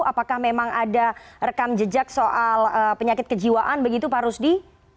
apakah memang ada rekam jejak soal penyakit kejiwaan begitu pak rusdi